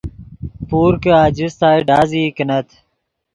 پور کہ آجستائے ڈازئی کینت